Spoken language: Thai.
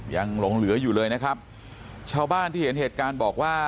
ยังหลงเหลืออยู่เลยนะครับชาวบ้านที่เห็นเหตุการณ์บอกว่า